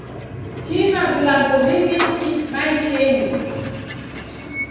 Tima vilambo viwishi maishenyi.